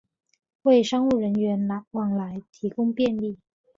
为商务人员往来提供便利